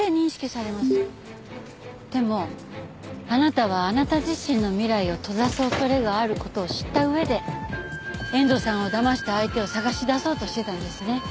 でもあなたはあなた自身の未来を閉ざす恐れがある事を知った上で遠藤さんをだました相手を捜し出そうとしてたんですね。